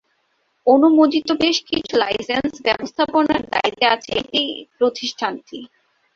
অনুমোদিত বেশ কিছু লাইসেন্স ব্যবস্থাপনার দায়িত্বে আছে এটি প্রতিষ্ঠানটি।